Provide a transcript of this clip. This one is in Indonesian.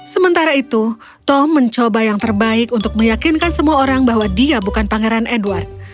sementara itu tom mencoba yang terbaik untuk meyakinkan semua orang bahwa dia bukan pangeran edward